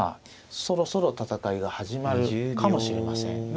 そろそろ戦いが始まるかもしれません。